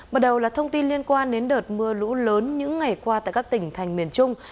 bắt đầu là thông tin liên quan đến đợt mưa lũ lớn những ngày qua tại các tỉnh thành miền trung